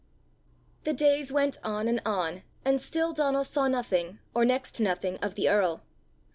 The days went on and on, and still Donal saw nothing, or next to nothing of the earl.